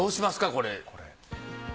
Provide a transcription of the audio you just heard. これ。